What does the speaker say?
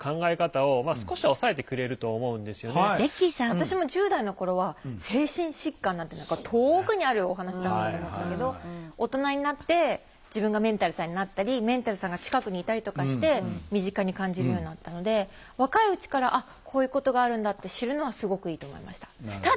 私も１０代の頃は「精神疾患」なんて何か遠くにあるお話だと思ったけど大人になって自分がメンタルさんになったりメンタルさんが近くにいたりとかして身近に感じるようになったので若いうちからあっこういうことがあるんだって知るのはすごくいいと思いました。